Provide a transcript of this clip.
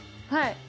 はい。